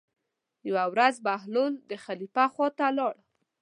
یوه ورځ بهلول د خلیفه خواته لاړ.